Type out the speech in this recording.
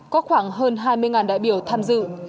có khoảng hơn hai mươi đại biểu tham dự